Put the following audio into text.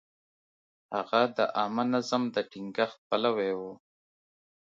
هغه د عامه نظم د ټینګښت پلوی و.